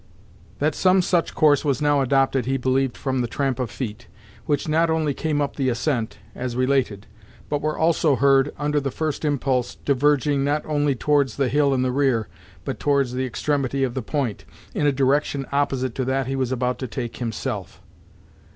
That some such course was now adopted he believed from the tramp of feet, which not only came up the ascent, as related, but were also heard, under the first impulse, diverging not only towards the hill in the rear, but towards the extremity of the point, in a direction opposite to that he was about to take himself.